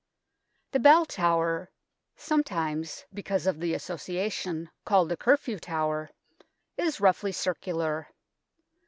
The Bell Tower sometimes, because of the association, called the Curfew Tower is roughly circular.